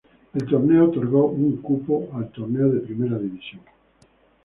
El torneo otorgó un cupo al torneo de Primera División.